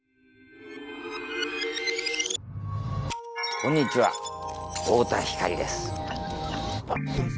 こんにちは太田光です。